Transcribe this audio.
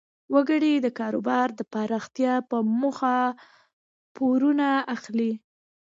وګړي د کاروبار د پراختیا په موخه پورونه اخلي.